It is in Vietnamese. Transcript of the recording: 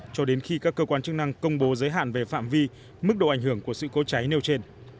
cho đến khi các cơ quan chức năng công bố giới hạn về phạm vi mức độ ảnh hưởng của sự cố cháy nêu trên